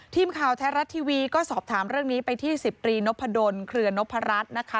ทีมข่าวแท้รัฐทีวีก็สอบถามเรื่องนี้ไปที่๑๐ตรีนพดลเครือนพรัชนะคะ